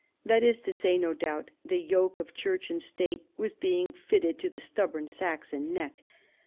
That is to say, no doubt, the yoke of Church and State was being fitted to the stubborn Saxon nock.